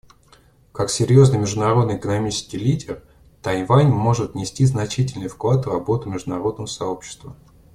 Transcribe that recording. Как серьезный международный экономический лидер Тайвань может внести значительный вклад в работу международного сообщества.